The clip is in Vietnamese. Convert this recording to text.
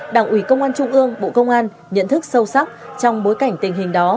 đảng ủy công an trung ương bộ công an nhận thức sâu sắc trong bối cảnh tình hình đó